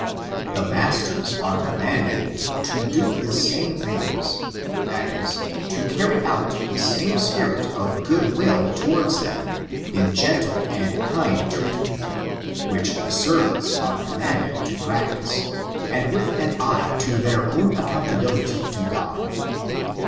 The masters are commanded "to do the same things," that is, to carry out the same spirit of good will towards them, in gentle and kind treatment, which the servants are conunanded to practice, and with an eye to their own accountability to God.